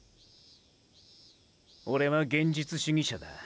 オレは現実主義者だ。